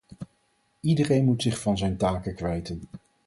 Iedereen moet zich van zijn taken kwijten.